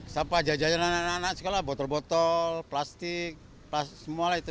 sampah jajanan anak anak suka lah botol botol plastik semualah itu